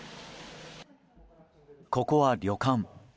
ここは旅館。